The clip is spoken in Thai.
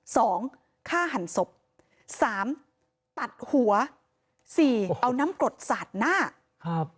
สองฆ่าหันศพสามตัดหัวสี่เอาน้ำกรดสาดหน้าครับ